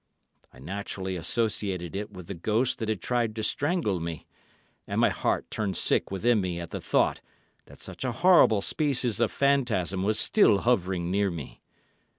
I naturally associated it with the ghost that had tried to strangle me, and my heart turned sick within me at the thought that such a horrible species of phantasm was still hovering near me.